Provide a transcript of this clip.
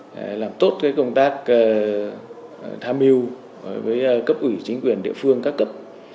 để làm tốt công tác tham mưu với cấp ủy chính quyền địa phương các cấp